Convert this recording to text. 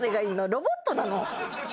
ロボットなの？